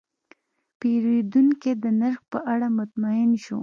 پیرودونکی د نرخ په اړه مطمین شو.